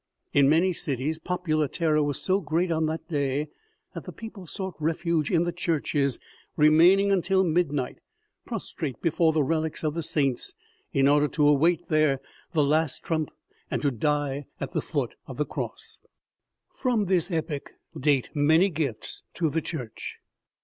In many cities popular terror was so great on that day that the people sought refuge in the churches, remaining until midnight, prostrate before the relics of the saints, in order to await there the last trump and to die at the foot of the cross. From this epoch date many gifts to the Church.